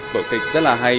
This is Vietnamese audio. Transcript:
của kịch rất là hay